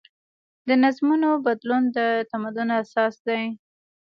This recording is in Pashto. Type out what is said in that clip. د نظمونو بدلون د تمدن اساس دی.